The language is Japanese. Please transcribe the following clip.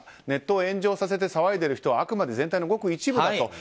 ネットを炎上させて騒いでいる人はあくまで全体のごく一部だと。